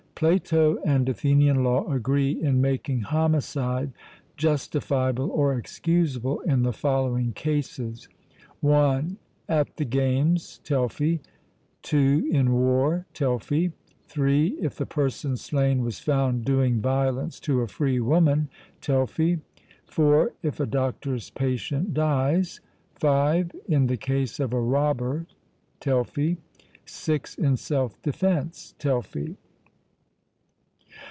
Plato and Athenian law agree in making homicide justifiable or excusable in the following cases: (1) at the games (Telfy); (2) in war (Telfy); (3) if the person slain was found doing violence to a free woman (Telfy); (4) if a doctor's patient dies; (5) in the case of a robber (Telfy); (6) in self defence (Telfy).